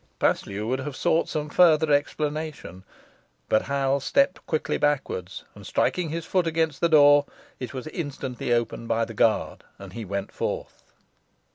Paslew would have sought some further explanation, but Hal stepped quickly backwards, and striking his foot against the door, it was instantly opened by the guard, and he went forth.